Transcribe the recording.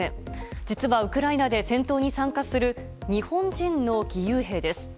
実はウクライナで戦闘に参加する日本人の義勇兵です。